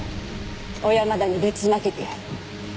小山田にぶちまけてやる。